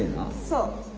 そう。